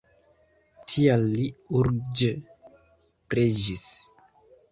Tial li urĝe preĝis.